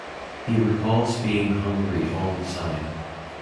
He recalls being hungry all the time.